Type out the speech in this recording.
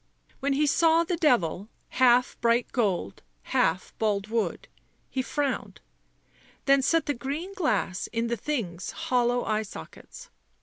When he saw the devil, half bright gold, half bald wood, he frowned, then set the green glass in the thing's hollow eye sockets.